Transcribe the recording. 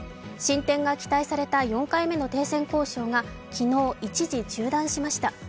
進展が期待された４回目の停戦交渉が昨日、一時中断しました。